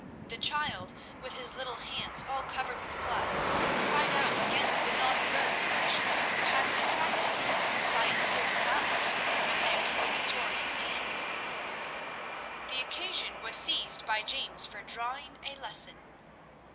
The child, with his little hands all covered with blood, cried out against the naughty rose bush for having attracted him by its pretty flowers and then cruelly torn his hands. The occasion was seized by James for drawing a lesson.